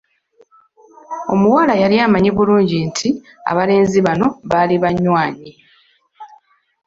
Omuwala yali amanyi bulungi nti abalenzi bano baali banywanyi.